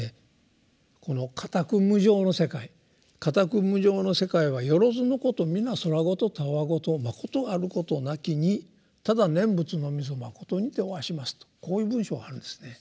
この火宅無常の世界「火宅無常の世界はよろづのことみなそらごとたわごとまことあることなきにただ念仏のみぞまことにておはします」とこういう文章があるんですね。